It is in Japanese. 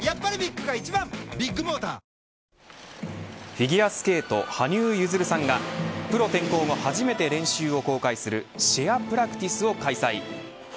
フィギュアスケート羽生結弦さんがプロ転向後初めて練習を公開するＳｈａｒｅＰｒａｃｔｉｃｅを開催。